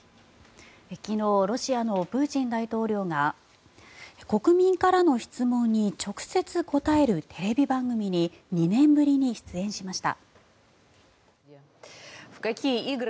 昨日ロシアのプーチン大統領が国民からの質問に直接答えるテレビ番組に２年ぶりに出演しました。